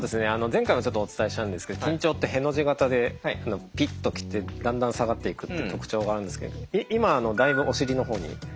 前回もちょっとお伝えしたんですけど緊張ってへの字型でピッと来てだんだん下がっていくって特徴があるんですけど今だいぶお尻の方に。